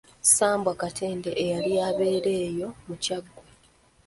Ssambwa Katenda eyali abeera eyo mu Kyaggwe.